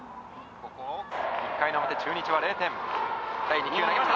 「１回の表中日は０点」「第２球投げました